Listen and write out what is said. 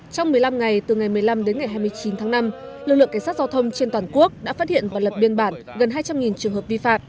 trong một mươi năm ngày từ ngày một mươi năm đến ngày hai mươi chín tháng năm lực lượng cảnh sát giao thông trên toàn quốc đã phát hiện và lập biên bản gần hai trăm linh trường hợp vi phạm